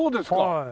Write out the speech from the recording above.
はい。